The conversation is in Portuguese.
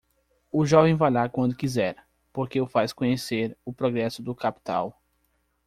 O jovem vai lá quando quiser, porque o faz conhecer o progresso do capital.